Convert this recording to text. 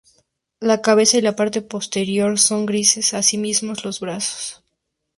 La cabeza y la parte posterior son grises, asimismo los brazos.